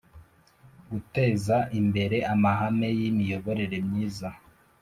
guteza imbere amahame y’imiyoborere myiza